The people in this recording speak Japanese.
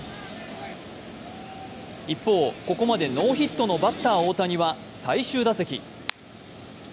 一方、ここまでノーヒットのバッター・大谷は最終打席。